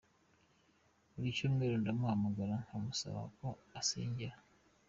Buri cyumweru ndamuhamagara nkamusaba ko asengera.